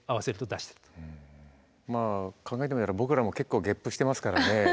まあ考えてみると僕らも結構ゲップしてますからね。